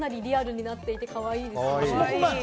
開けた中身もかなりリアルになっていて、かわいいです。